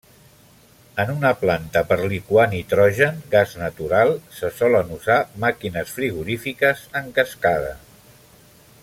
En una planta per liquar nitrogen, gas natural se solen usar màquines frigorífiques en cascada.